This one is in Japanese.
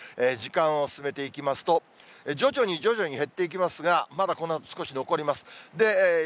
時間を進めていきますと、徐々に徐々に減っていきますが、まだこのあと、少し残ります。